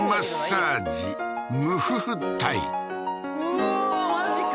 うーわマジか！